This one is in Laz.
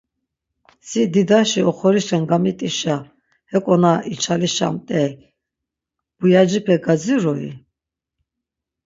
Si didaşi oxorişen gamit̆işa; heko na içalişamt̆ey buyacipe gazirui?